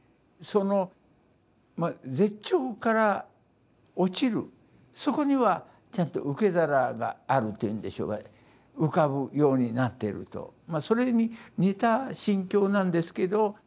その絶頂から落ちるそこにはちゃんと受け皿があるというんでしょうか浮かぶようになっているとそれに似た心境なんですけど。